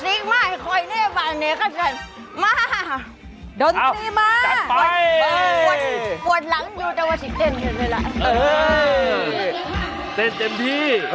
สิก็ได้